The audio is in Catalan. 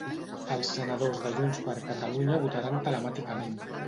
Els senadors de JxCat votaran telemàticament.